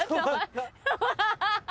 ハハハ！